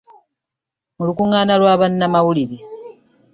Mu lukungaana lwa bannamawulire.